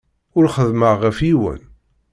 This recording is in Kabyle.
Ur xeddmeɣ ɣef yiwen.